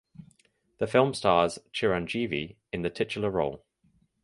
The film stars Chiranjeevi in the titular role.